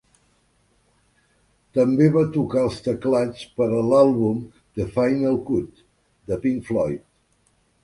També va tocar els teclats per a l'àlbum "The Final Cut" de Pink Floyd.